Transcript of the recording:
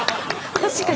確かに。